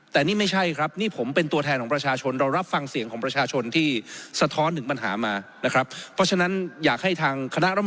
แต่นี่ไม่ใช่ครับนี่ผมเป็นตัวแทนของประชาชน